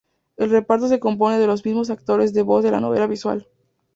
El reparto se compone de los mismos actores de voz de la novela visual.